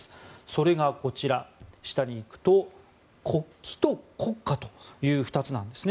それが国旗と国歌という２つなんです。